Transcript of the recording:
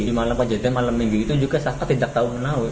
di malam kejadian malam minggu itu juga saka tidak tahu menang